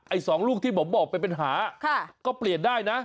สองลูกที่ผมบอกเป็นปัญหาก็เปลี่ยนได้นะ